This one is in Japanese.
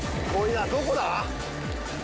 どこだ？